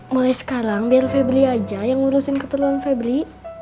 mulai sekarang biar febly aja yang ngurusin keperluan febly